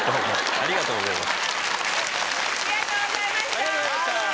ありがとうございます！